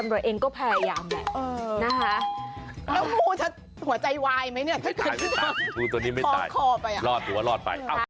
รอดหรือว่ารอดไป